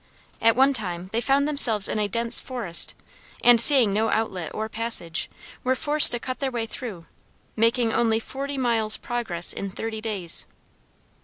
At one time they found themselves in a dense forest, and, seeing no outlet or passage, were forced to cut their way through, making only forty miles progress in thirty days.